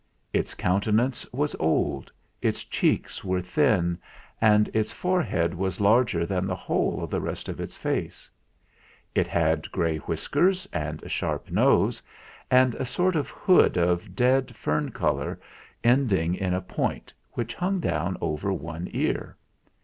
Its countenance was old, its cheeks were thin, and its forehead was larger than DE QUINCEY 93 the whole of the rest of its face. It had grey whiskers and a sharp nose, and a sort of hood of dead fern colour ending in a point, which hung down over one ear.